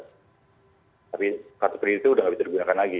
tapi kartu kredit itu udah nggak bisa digunakan lagi